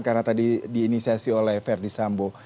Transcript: karena tadi diinisiasi oleh ferdis sambo